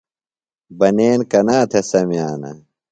بنین کنا تھےۡ سمِیانہ؟